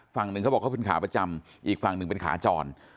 ฝั่งหนึ่งเขาบอกเขาเป็นขาประจำอีกฝั่งหนึ่งเป็นขาจร